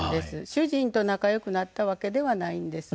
主人と仲良くなったわけではないんです。